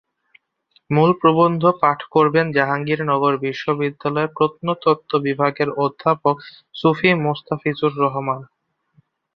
মূল প্রবন্ধ পাঠ করবেন জাহাঙ্গীরনগর বিশ্ববিদ্যালয়ের প্রত্নতত্ত্ব বিভাগের অধ্যাপক সুফি মোস্তাফিজুর রহমান।